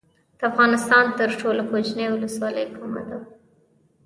د افغانستان تر ټولو کوچنۍ ولسوالۍ کومه ده؟